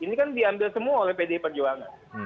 ini kan diambil semua oleh pdi perjuangan